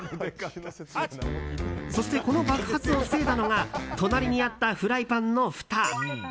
そして、この爆発を防いだのが隣にあったフライパンのふた。